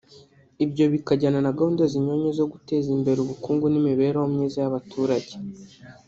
ibyo bikajyana na gahunda zinyuranye zo guteza imbere ubukungu n’imibereho myiza y’abaturage